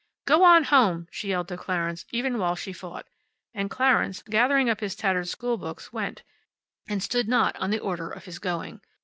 "Go on home!" she yelled to Clarence, even while she fought. And Clarence, gathering up his tattered school books, went, and stood not on the order of his going.